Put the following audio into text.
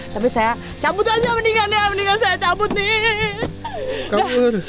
tapi saya cabut aja mendingan ya mendingan saya cabut nih